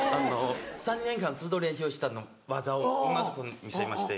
３年間ずっと練習した技をうまく見せまして。